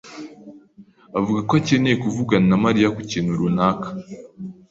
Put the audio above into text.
avuga ko akeneye kuvugana na Mariya ku kintu runaka.